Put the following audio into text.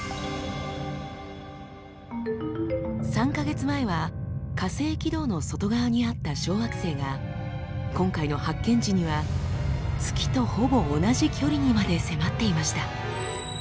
３か月前は火星軌道の外側にあった小惑星が今回の発見時には月とほぼ同じ距離にまで迫っていました。